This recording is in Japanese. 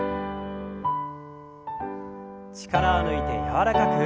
力を抜いて柔らかく。